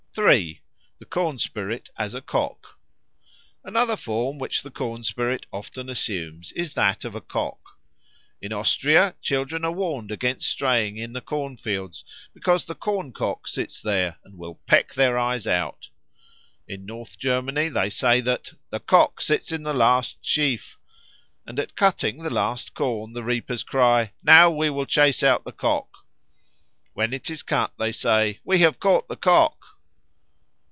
3. The Corn spirit as a Cock ANOTHER form which the corn spirit often assumes is that of a cock. In Austria children are warned against straying in the corn fields, because the Corn cock sits there, and will peck their eyes out. In North Germany they say that "the Cock sits in the last sheaf"; and at cutting the last corn the reapers cry, "Now we will chase out the Cock." When it is cut they say, "We have caught the Cock."